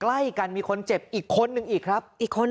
ใกล้กันมีคนเจ็บอีกคนนึงอีกครับอีกคน